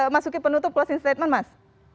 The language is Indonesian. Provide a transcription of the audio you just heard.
mas suki penutup closing statement mas